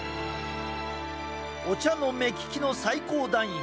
お茶の目利きの最高段位